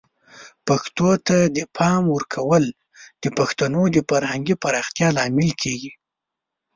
پښتو ته د پام ورکول د پښتنو د فرهنګي پراختیا لامل کیږي.